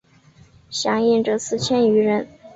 响应者四千余人。